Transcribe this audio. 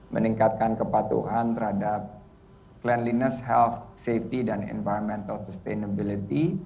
meningkatkan kepatuhan terhadap cleanliness health safety dan environmental sustainability